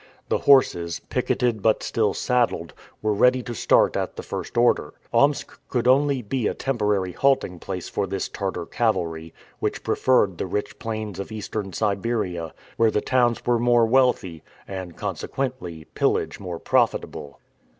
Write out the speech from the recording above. The horses, picketed but still saddled, were ready to start at the first order. Omsk could only be a temporary halting place for this Tartar cavalry, which preferred the rich plains of Eastern Siberia, where the towns were more wealthy, and, consequently, pillage more profitable.